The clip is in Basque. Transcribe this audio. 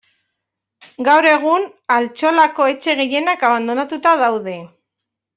Gaur egun Altzolako etxe gehienak abandonatuta daude.